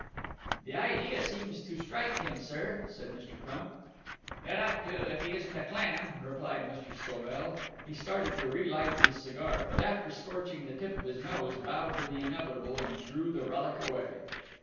"The idea seems to strike him, sir," said Mr. Crump. "It ought to, if he isn't a clam," replied Mr. Scobell. He started to relight his cigar, but after scorching the tip of his nose, bowed to the inevitable and threw the relic away.